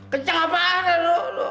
kenceng apaan ya lo